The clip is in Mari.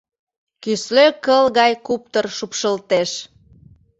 Кӱсле кыл гай куптыр шупшылтеш.